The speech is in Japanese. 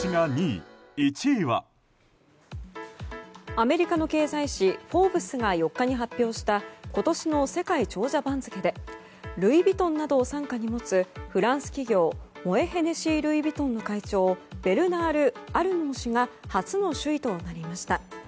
アメリカの経済誌「フォーブス」が４日に発表した今年の世界長者番付でルイ・ヴィトンなどを傘下に持つフランス企業ＬＶＭＨの会長ベルナール・アルノー氏が初の首位となりました。